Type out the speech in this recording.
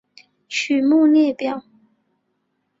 曲目列表